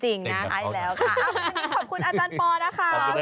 ใช่แล้วค่ะอันนี้ขอบคุณอาจารย์ปอล์นะคะ